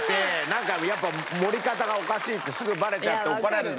なんかやっぱ盛り方がおかしいってすぐバレちゃって怒られたんだけど。